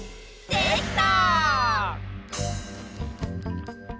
「できた！」